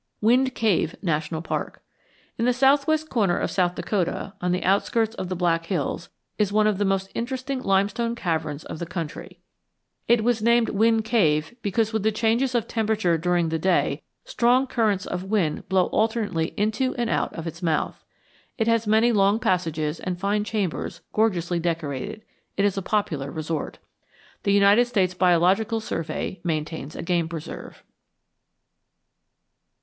WIND CAVE NATIONAL PARK In the southwestern corner of South Dakota, on the outskirts of the Black Hills, is one of the most interesting limestone caverns of the country. It was named Wind Cave because, with the changes of temperature during the day, strong currents of wind blow alternately into and out of its mouth. It has many long passages and fine chambers gorgeously decorated. It is a popular resort. The United States Biological Survey maintains a game preserve.